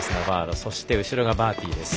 そして、後ろがバーティ。